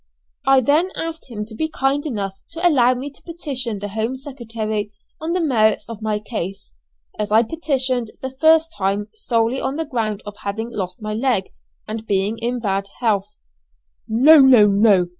I then asked him to be kind enough to allow me to petition the Home Secretary on the merits of my case, as I petitioned the first time solely on the ground of having lost my leg, and being in bad health. "No, no, no!